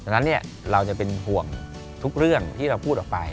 ดังนั้นเราจะเป็นห่วงทุกเรื่องที่เราพูดออกไป